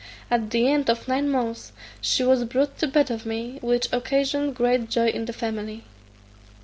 At the end of nine months she was brought to bed of me; which occasioned great joy in the family.